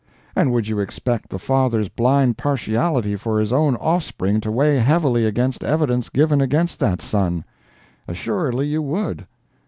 And would you expect the father's blind partiality for his own offspring to weigh heavily against evidence given against that son. Assuredly you would.